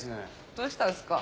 どうしたんですか？